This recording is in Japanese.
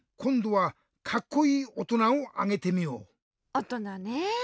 おとなねぇ。